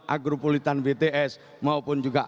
agropulitan bts maupun juga